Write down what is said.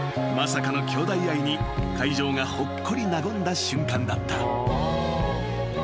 ［まさかのきょうだい愛に会場がほっこり和んだ瞬間だった］